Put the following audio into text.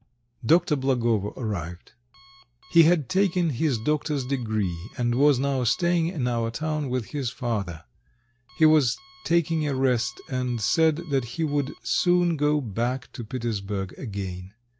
Dr. Blagovo arrived. He had taken his doctor's degree, and was now staying in our town with his father; he was taking a rest, and said that he would soon go back to Petersburg again.